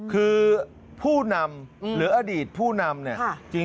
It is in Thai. คือผู้นำหรืออดีตผู้นำเนี่ย